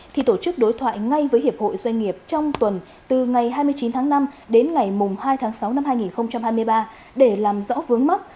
thì tổ chức đối thoại ngay với hiệp hội doanh nghiệp trong tuần từ ngày hai mươi chín tháng năm đến ngày hai tháng sáu năm hai nghìn hai mươi ba để làm rõ vướng mắt